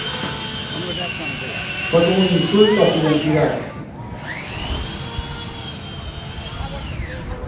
Fue como un insulto a su identidad.